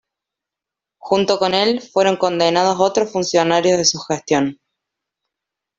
Junto con el fueron condenados otros funcionarios de su gestión.